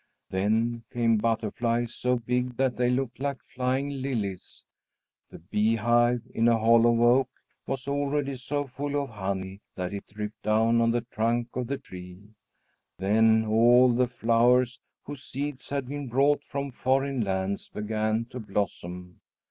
Then came butterflies, so big that they looked like flying lilies. The bee hive in a hollow oak was already so full of honey that it dripped down on the trunk of the tree. Then all the flowers whose seeds had been brought from foreign lands began to blossom.